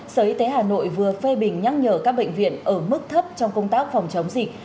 sở y tế hà nội vừa phê bình nhắc nhở các bệnh viện ở mức thấp trong công tác phòng chống dịch